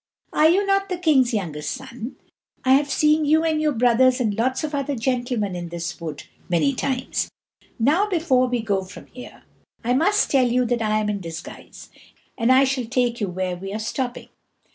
Are you not the king's youngest son? I have seen you and your brothers and lots of other gentlemen in this wood many times. Now before we go from here, I must tell you that I am in disguise; and I shall take you where we are stopping."